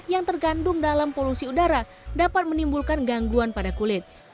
yang tergandung dalam polusi udara dapat menimbulkan gangguan pada kulit